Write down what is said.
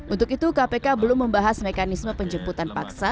untuk itu kpk belum membahas mekanisme penjemputan paksa